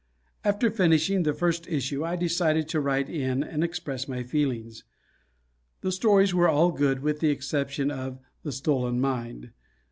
After finishing the first issue, I decided to write in and express my feelings. The stories were all good with the exception of "The Stolen Mind."